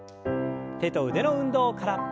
手と腕の運動から。